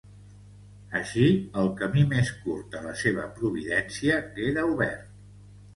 Així, el camí més curt a la seva providència queda obert.